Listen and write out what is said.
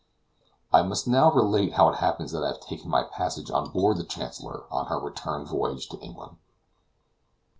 I must now relate how it happens that I have taken my passage on board the Chancellor on her return voyage to England.